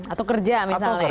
atau kerja misalnya